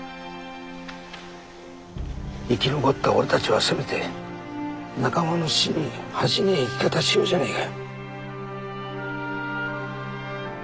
生き残った俺たちはせめて仲間の死に恥じねえ生き方しようじゃねえか。